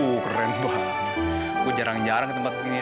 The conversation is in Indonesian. wuh keren banget jarang jarang tempat ini